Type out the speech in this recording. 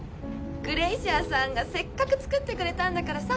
グレイシアさんがせっかく作ってくれたんだからさ